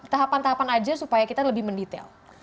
tahapan tahapan aja supaya kita lebih mendetail